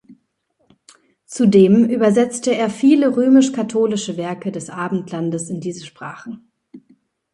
Zudem übersetzte er viele römisch-katholische Werke des Abendlandes in diese Sprachen.